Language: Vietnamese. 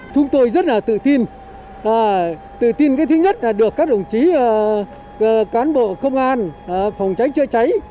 chúng tôi rất là tự tin và tự tin cái thứ nhất là được các đồng chí cán bộ công an phòng cháy chữa cháy